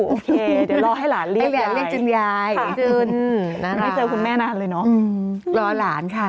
โอเคเดี๋ยวรอให้หลานเรียกจนยายจินไม่เจอคุณแม่นานเลยเนอะรอหลานค่ะ